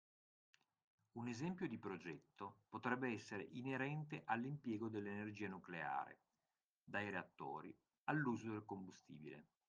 Un esempio di progetto potrebbe essere inerente all'impiego dell'energia nucleare, dai reattori, all'uso del combustibile